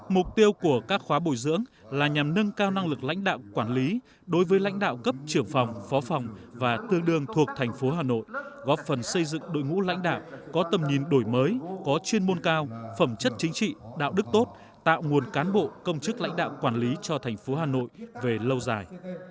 mục tiêu của các khóa bồi dưỡng là nhằm nâng cao năng lực lãnh đạo quản lý đối với lãnh đạo cấp trưởng phòng phó phòng và tương đương thuộc thành phố hà nội góp phần xây dựng đội ngũ lãnh đạo có tầm nhìn đổi mới có chuyên môn cao phẩm chất chính trị đạo đức tốt tạo nguồn cán bộ công chức lãnh đạo quản lý cho thành phố hà nội về lâu dài